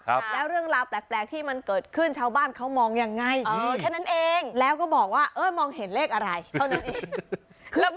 แล้วเรื่องราวแปลกที่มันเกิดขึ้นชาวบ้านเขามองยังไงแล้วก็บอกว่ามองเห็นเลขอะไรเท่านั้นเอง